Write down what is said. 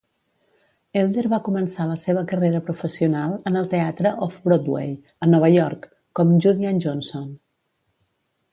Elder va començar la seva carrera professional en el teatre "off-Broadway", a Nova York, com "Judyann Jonsson".